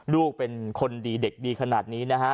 ลูกเป็นคนดีเด็กดีขนาดนี้นะฮะ